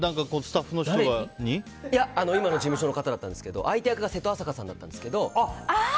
今の事務所の方だったんですけど相手役が瀬戸朝香さんだったんですけど。